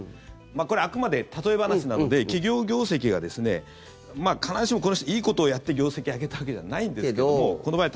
これはあくまで例え話なので企業業績が必ずしもこの人はいいことをやって業績を上げたわけじゃないんですけどもこの場合、